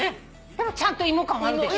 でもちゃんと芋感はあるでしょ。